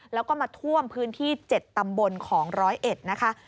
แล้วก็มาท่วมพื้นที่๗ตำบลของ๑๐๑นะคะ